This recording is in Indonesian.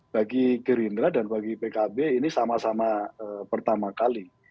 bagi gerindra dan bagi pkb ini sama sama pertama kali